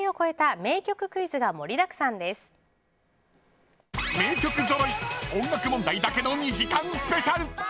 名曲ぞろい音楽問題だけの２時間スペシャル。